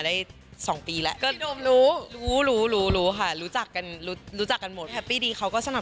ตอนนี้ก็มีคนคุยค่ะ